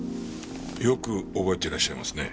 よく覚えてらっしゃいますね。